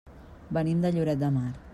Venim de Lloret de Mar.